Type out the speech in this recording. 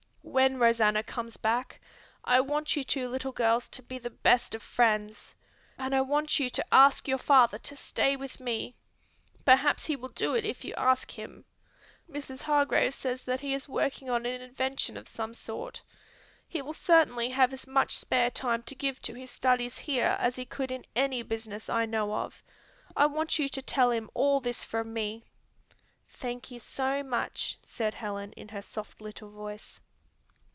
When Rosanna comes back, I want you two little girls to be the best of friends. And I want you to ask your father to stay with me. Perhaps he will do it if you ask him. Mrs. Hargrave says that he is working on an invention of some sort. He will certainly have as much spare time to give to his studies here as he could in any business I know of. I want you to tell him all this from me." "Thank you so much," said Helen in her soft little voice.